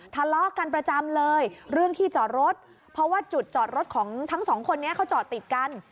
ทะเลาะกันประจำเลยเรื่องที่จอดรถเพราะว่าจุดจอดรถของทั้งสองคนนี้เขาจอดติดกัน